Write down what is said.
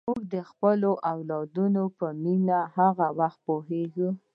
موږ د خپلو والدینو په مینه هغه وخت پوهېږو.